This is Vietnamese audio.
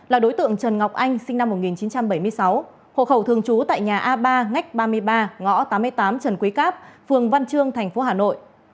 là đối tượng trần ngọc anh sinh năm một nghìn chín trăm bảy mươi sáu hộ khẩu thường trú tại nhà a ba ngách ba mươi ba ngõ tám mươi tám trần quý cáp phường văn trương tp hà nội